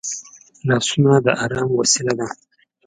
لاسونه د ارام وسیله ده